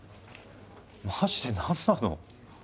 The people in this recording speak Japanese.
マジで何なの？